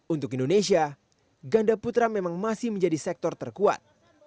untuk indonesia ganda putra memang masih menjadi sektor terkuat